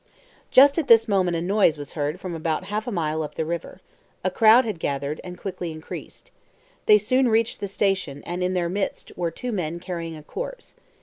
Just at this moment a noise was heard from about half a mile up the river. A crowd had gathered, and quickly increased. They soon reached the station, and in their midst were two men carrying a corpse.